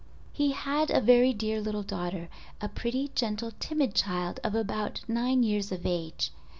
He had a very dear little daughter, a pretty, gentle, timid child of about nine years of age.